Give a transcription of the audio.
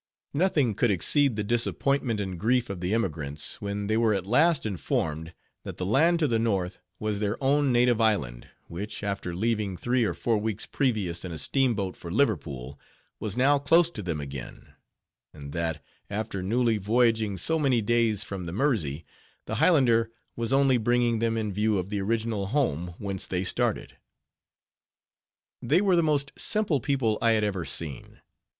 Nothing could exceed the disappointment and grief of the emigrants, when they were at last informed, that the land to the north was their own native island, which, after leaving three or four weeks previous in a steamboat for Liverpool, was now close to them again; and that, after newly voyaging so many days from the Mersey, the Highlander was only bringing them in view of the original home whence they started. They were the most simple people I had ever seen.